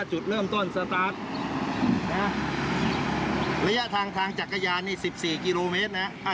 จุดเริ่มต้นสตาร์ทนะฮะระยะทางทางจักรยานี่สิบสี่กิโลเมตรนะฮะ